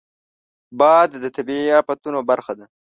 باد د طبیعي افتونو برخه ده